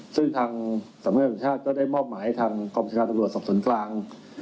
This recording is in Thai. ซึ่งทางสังเกตุธรรมชาติก็ได้มอบหมายทางกรมชาติตรวจสอบสนกลาง